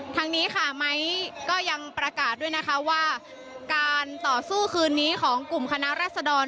ทางนี้ค่ะไม้ก็ยังประกาศด้วยนะคะว่าการต่อสู้คืนนี้ของกลุ่มคณะรัศดร